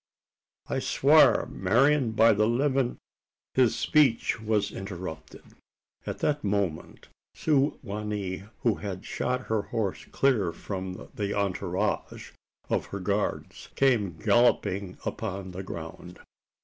"I swar' Marian, by the livin' " His speech was interrupted. At that moment Su wa nee, who had shot her horse clear from the entourage, of her guards, came galloping upon the ground.